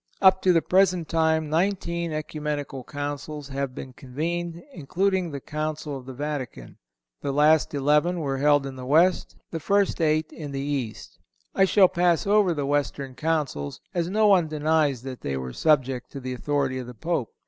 Up to the present time nineteen Ecumenical Councils have been convened, including the Council of the Vatican. The last eleven were held in the West, and the first eight in the East. I shall pass over the Western Councils, as no one denies that they were subject to the authority of the Pope.